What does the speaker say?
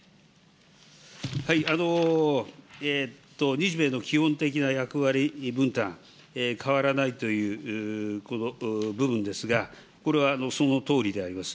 日米の基本的な役割分担、変わらないというこの部分ですが、これはそのとおりであります。